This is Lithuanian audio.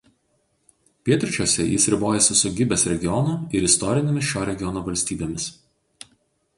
Pietryčiuose jis ribojasi su Gibės regionu ir istorinėmis šio regiono valstybėmis.